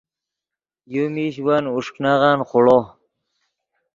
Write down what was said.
یو میش ون اوݰک نغن خوڑو